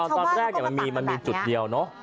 ตอนแรกมันมีจุดเดียวเนอะ